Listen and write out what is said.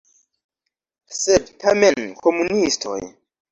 Sed tamen komunistoj.